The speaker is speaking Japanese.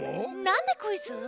なんでクイズ？